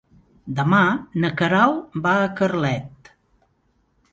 Demà na Queralt va a Carlet.